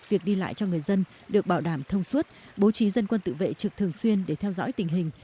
việc đi lại cho người dân được bảo đảm thông suốt bố trí dân quân tự vệ trực thường xuyên để theo dõi tình hình